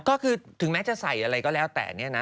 ก็คือถึงแม้จะใส่อะไรก็แล้วแต่เนี่ยนะ